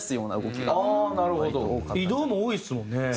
移動も多いですもんね。